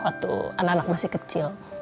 waktu anak anak masih kecil